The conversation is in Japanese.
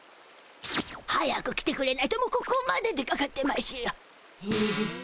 早く来てくれないともうここまで出かかってましゅよ。